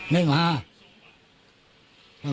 ไม่มา